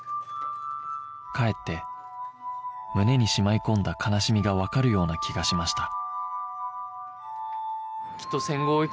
かえって胸にしまい込んだ悲しみがわかるような気がしました